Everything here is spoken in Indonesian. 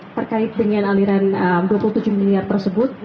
terkait dengan aliran rp dua puluh tujuh miliar tersebut